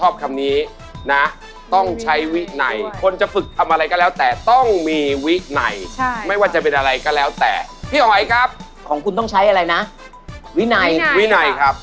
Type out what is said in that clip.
เป๊นะครับเลือกหมายเลข๑คนเดียวครับ